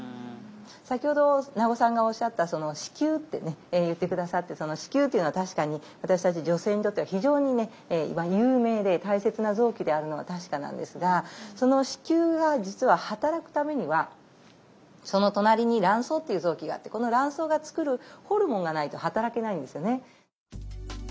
先ほど名古さんがおっしゃった「子宮」ってね言って下さってその子宮というのは確かに私たち女性にとっては非常にね有名で大切な臓器であるのは確かなんですがその子宮が実は働くためにはその隣に卵巣っていう臓器があってこの卵巣が作るホルモンがないと働けないんですよね。